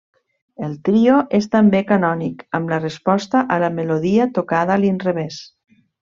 El trio és també canònic amb la resposta a la melodia tocada a l'inrevés.